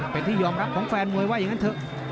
เป็นที่ยอมรับของแฟนมวยว่าอย่างนั้นเถอะ